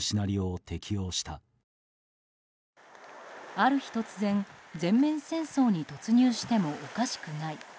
ある日突然、全面戦争に突入してもおかしくない。